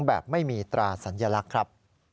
แบบไม่มีตราสัญลักษณ์ครับ